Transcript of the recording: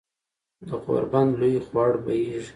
د غوربند لوے خوړ بهېږي